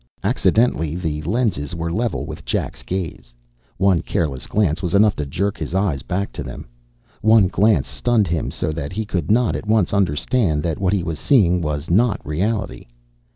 Accidentally, the lenses were level with Jack's gaze. One careless glance was enough to jerk his eyes back to them. One glance stunned him so that he could not at once understand that what he was seeing was not reality.